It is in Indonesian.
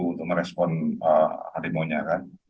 untuk merespon harimau nya kan